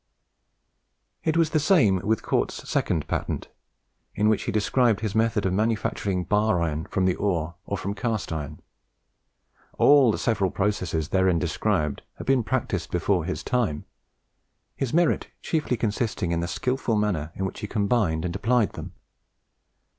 It was the same with Cort's second patent, in which he described his method of manufacturing bar iron from the ore or from cast iron. All the several processes therein described had been practised before his time; his merit chiefly consisting in the skilful manner in which he combined and applied them.